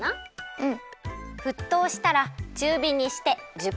うん。